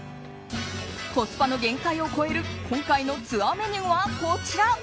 コスパの限界を超える今回のツアーメニューはこちら。